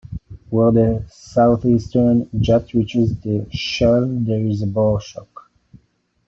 Where the southeastern jet reaches the shell there is a bow-shock.